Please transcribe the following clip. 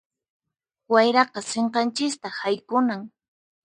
Wayraqa sinqanchista haykunan.